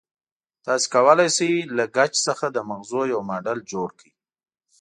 تاسې کولای شئ له ګچ څخه د مغزو یو ماډل جوړ کړئ.